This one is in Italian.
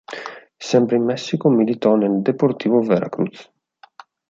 Sempre in Messico militò nel Deportivo Veracruz.